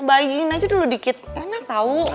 bagiin aja dulu dikit enak tau